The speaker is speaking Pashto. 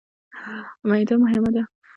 معده مهمه ده.